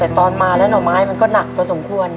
แต่ตอนมาแล้วหน่อไม้มันก็หนักพอสมควร